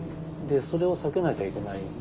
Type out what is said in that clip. それを避けなきゃいけない。